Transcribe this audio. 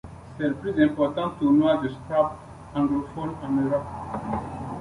C'est le plus important tournoi de Scrabble anglophone en Europe.